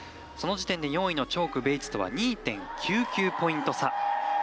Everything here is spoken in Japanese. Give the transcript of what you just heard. その時点で４位のチョーク、ベイツとは２．９９ポイント差。